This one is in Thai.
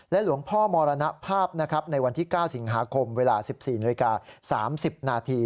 และหลวงพ่อมรณภาพในวันที่๙สิงหาคมเวลา๑๔นาที๓๐นาที